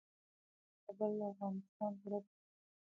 کابل د افغانستان زړه دی